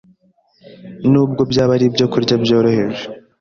nubwo byaba ari ibyokurya byoroheje,